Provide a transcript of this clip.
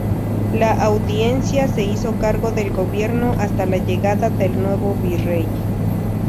La Audiencia se hizo cargo del gobierno hasta la llegada del nuevo Virrey.